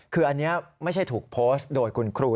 คืออันนี้ไม่ใช่ถูกโพสต์โดยคุณครู